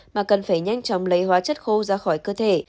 mà cần phải nhanh chóng lấy hóa chất khô ra khỏi cơ thể